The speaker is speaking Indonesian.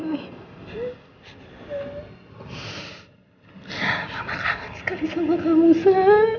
mama kangen sekali sama kamu sa